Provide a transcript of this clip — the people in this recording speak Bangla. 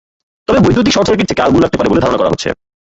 তবে বৈদ্যুতিক শর্টসার্কিট থেকে আগুন লাগতে পারে বলে ধারণা করা হচ্ছে।